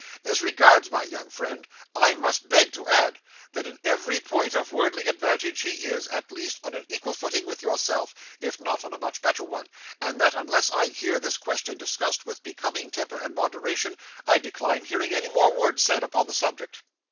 As regards my young friend, I must beg to add, that in every point of worldly advantage he is, at least, on an equal footing with yourself, if not on a much better one, and that unless I hear this question discussed with becoming temper and moderation, I decline hearing any more said upon the subject.